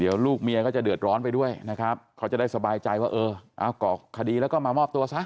เดี๋ยวลูกเมียก็จะเดือดร้อนไปด้วยนะครับเขาจะได้สบายใจว่าเออเอาก่อคดีแล้วก็มามอบตัวซะ